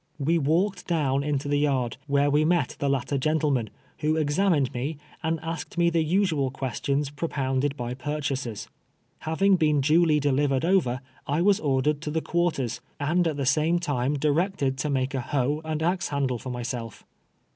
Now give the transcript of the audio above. AVe walked down into the yard, Avhere we met the latter gentleman, who ex amined me, and asked me the usual questions pro pounded by purchasers. Having been dul}^ delivered over, I was ordered to the quarters, and at the same SALE TO EDWIN EPPS. 161 time directed to make a lice and axe handle for my self.